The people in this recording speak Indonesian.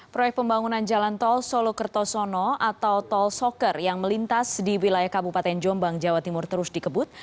proyek pembangunan jalan tol solo kertosono atau tol soker yang melintas di wilayah kabupaten jombang jawa timur terus dikebut